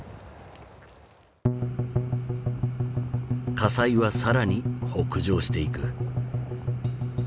火災は更に北上していく。